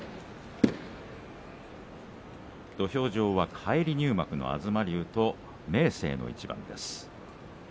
土俵上は返り入幕の東龍と明生の一番です。